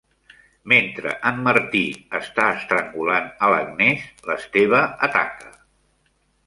Mentre en Martí està estrangulant a l'Agnès, l'Esteve ataca.